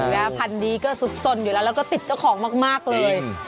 แล้วพันธุ์ดีก็สุดสนอยู่แล้วแล้วก็ติดเจ้าของมากเลย